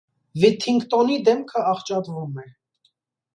Վիթթինգթոնի դեմքը աղճատվում է։